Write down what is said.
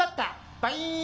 バイン。